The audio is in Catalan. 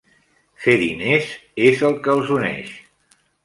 "Fer diners" és el que els uneix.